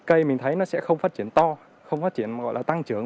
cây mình thấy nó sẽ không phát triển to không phát triển gọi là tăng trưởng